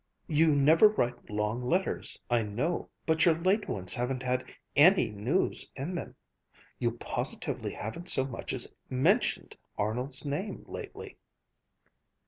You never write long letters, I know but your late ones haven't had any news in them! You positively haven't so much as mentioned Arnold's name lately."